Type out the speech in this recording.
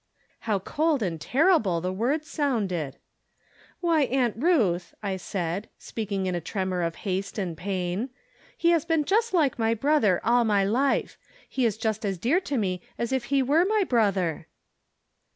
How cold and horrible the words sounded. "Why, Aunt Ruth," I said, speaking in a tremor of haste and pain, " he has been just like my brother all my life. He is just as dear to me as if he were my brother."